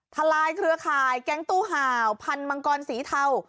ลายเครือข่ายแก๊งตู้ห่าวพันธุ์มังกรสีเทา